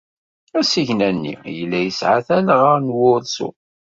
Asigna-nni yella yesɛa talɣa n wursu.